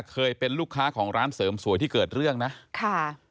เคยเป็นลูกค้าของร้านเสริมสวยที่เกิดเรื่องนะค่ะ